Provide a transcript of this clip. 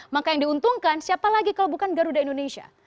maka yang diuntungkan siapa lagi kalau bukan garuda indonesia